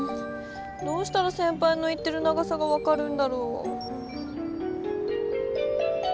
どうしたらせんぱいの言ってる長さがわかるんだろう。